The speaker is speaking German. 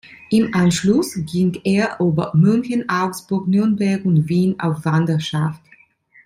Im Anschluss ging er über München, Augsburg, Nürnberg und Wien auf Wanderschaft.